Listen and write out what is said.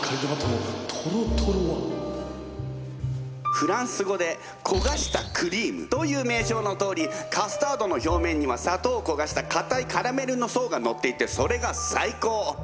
フランス語で焦がしたクリームという名称のとおりカスタードの表面には砂糖を焦がしたかたいカラメルの層がのっていてそれが最高！